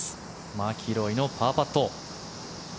マキロイのパーパット。